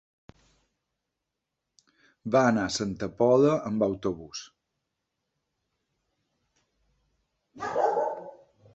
Va anar a Santa Pola amb autobús.